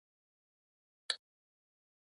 د نرګس ګل د څه لپاره وکاروم؟